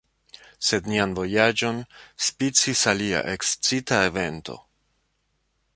Sed nian vojaĝon spicis alia ekscita evento.